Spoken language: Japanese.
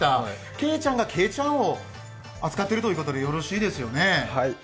圭ちゃんがけいちゃんを扱っているということでよろしいですよね。